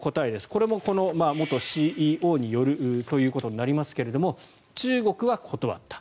これも元ＣＥＯによるとということになりますが中国は断った。